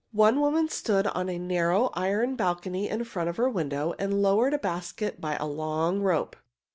One woman stood on a narrow iron balcony in front of her window and lowered a basket by a long rope.